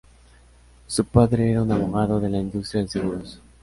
Su padre era un abogado de la industria de seguros.